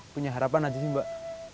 punya harapan aja sih mbak